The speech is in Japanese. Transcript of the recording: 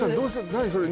何それ？